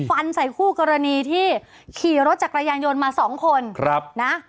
ฟันใส่คู่กรณีที่ขี่รถจักรยานยนต์มา๒คน